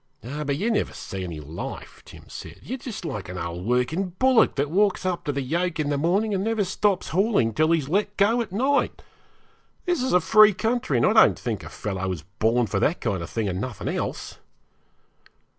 'Oh, but you never see any life,' Jim said; 'you're just like an old working bullock that walks up to the yoke in the morning and never stops hauling till he's let go at night. This is a free country, and I don't think a fellow was born for that kind of thing and nothing else.'